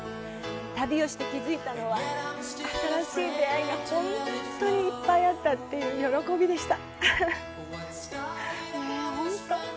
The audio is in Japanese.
旅をして気づいたのは新しい出会いが本当にいっぱいあったという喜びでした。